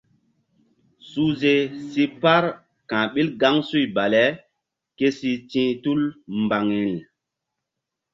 Suhze si par ka̧h ɓil gaŋsuy bale ke si ti̧h tul mbaŋiri.